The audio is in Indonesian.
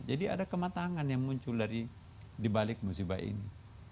jadi ada kematangan yang muncul dari dibalik musibah ini